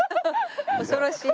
恐ろしい。